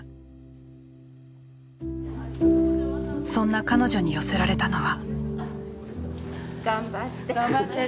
そんな彼女に寄せられたのは。